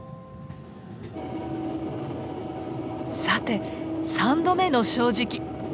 さて３度目の正直。